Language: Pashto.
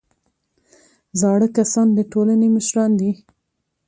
زاړه کسان د ټولنې مشران دي